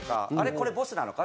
これボスなのか？